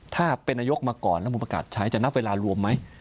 ถ้าเป็นนายกมาก่อนแล้วผมประกาศใช้จะนับเวลารวมไหม